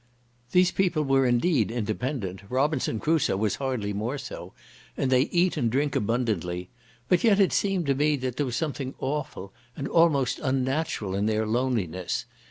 These people were indeed independent, Robinson Crusoe was hardly more so, and they eat and drink abundantly; but yet it seemed to me that there was something awful and almost unnatural in their loneliness.